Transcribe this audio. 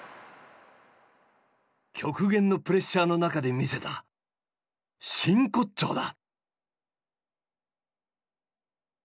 極限のプレッシャーの中で見せた真骨頂だ。